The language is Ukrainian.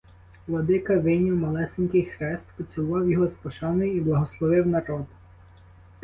Владика вийняв малесенький хрест, поцілував його з пошаною і благословив народ.